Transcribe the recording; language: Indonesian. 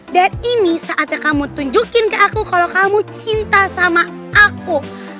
dan ini saatnya kamu tunjukin ke aku kalau kamu cinta sama aku